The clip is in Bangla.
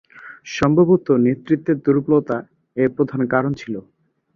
সম্ভবত নেতৃত্বের দুর্বলতা এর প্রধান কারণ ছিল।